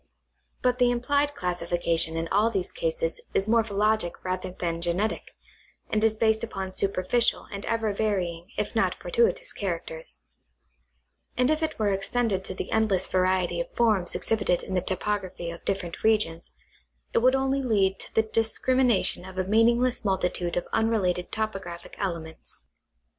But the implied classification in all these cases is morphologic rather than genetic, and is based upon superficial and ever varying if not fortuitous characters ; and if it were extended to the endless variety of forms exhibited in the topography of different regions it would only lead to the dis crimination of a meaningless multitude of unrelated topographic elements.